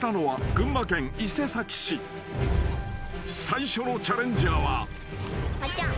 ［最初のチャレンジャーは］